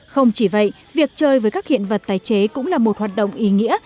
không chỉ vậy việc chơi với các hiện vật tái chế cũng là một hoạt động ý nghĩa